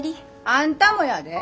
あんたもやで。